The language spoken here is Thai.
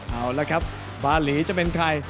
เอาละครับบาหลีจะเป็นใคร